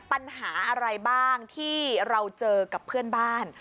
ปัญหาอะไรบ้างที่เราเจอกับเพื่อนบ้าน